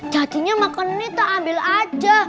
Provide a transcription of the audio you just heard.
jadinya makanan ini tak ambil aja